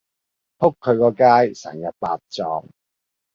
仆佢個街，成日白撞